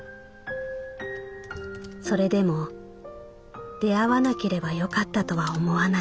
「それでも出会わなければよかったとは思わない。